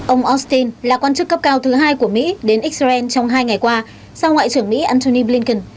ông austin là quan chức cấp cao thứ hai của mỹ đến israel trong hai ngày qua sau ngoại trưởng mỹ antony blinken